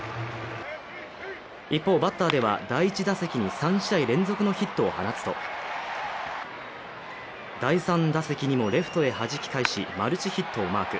一方、バッターでは第１打席に３試合連続のヒットを放つと第３打席にもレフトへはじき返し、マルチヒットをマーク。